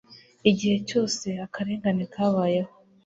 Igihe cyose akarengane kabayeho,